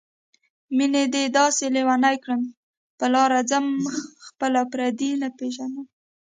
مينې دې داسې لېونی کړم په لاره ځم خپل او پردي نه پېژنمه